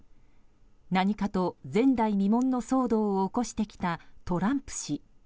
何かと、前代未聞の騒動を起こしてきたトランプ氏。